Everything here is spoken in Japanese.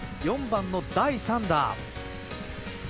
４番の第３打。